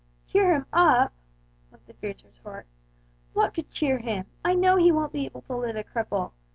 "Cheer him up!" was the fierce retort; "what could cheer him! I know he won't be able to live a cripple.